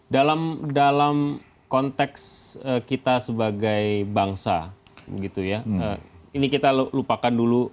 dalam konteks kita sebagai bangsa ini kita lupakan dulu